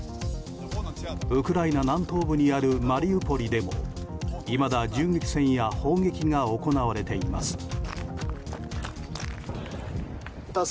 ウクライナ南東部にあるマリウポリでもいまだ銃撃戦や砲撃が行われています。